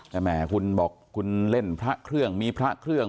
แต่แหมคุณบอกคุณเล่นพระเครื่องมีพระเครื่อง